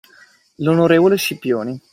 L’onorevole Scipioni.